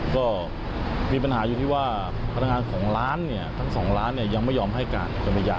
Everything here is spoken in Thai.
ก็มีปัญหาอยู่ที่ว่าพนักงานของร้านเนี่ยทั้งสองร้านเนี่ยยังไม่ยอมให้การ